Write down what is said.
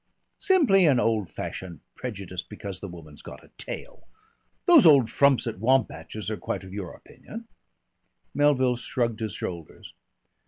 "Simply an old fashioned prejudice because the woman's got a tail. Those old frumps at Wampach's are quite of your opinion." Melville shrugged his shoulders.